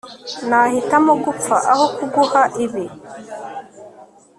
nahitamo gupfa aho kuguha ibi